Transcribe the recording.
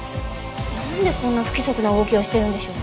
なんでこんな不規則な動きをしてるんでしょう。